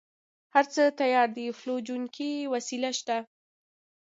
هره څه تيار دي فلجوونکې وسله شته.